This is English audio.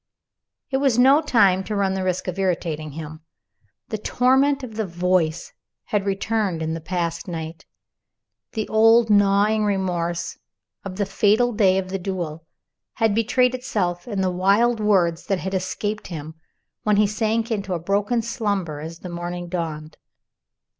It was no time to run the risk of irritating him. The torment of the Voice had returned in the past night. The old gnawing remorse of the fatal day of the duel had betrayed itself in the wild words that had escaped him, when he sank into a broken slumber as the morning dawned.